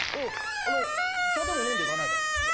「あの茶でも飲んでいかないかい？」。